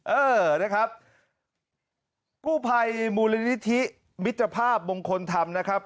เออนะครับกู้ภัยมูลนิธิมิตรภาพมงคลธรรมนะครับ